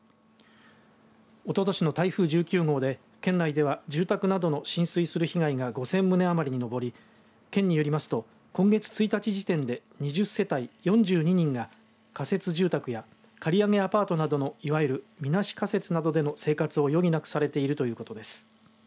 おととしの台風１９号で県内では住宅などの浸水する被害が５０００棟余りにのぼり県によりますと、今月１日時点で２０世帯４２人が仮設住宅や借り上げアパートなどのいわゆる、みなし仮設などでの生活を余儀なくされているということです。